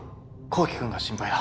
紘希君が心配だ。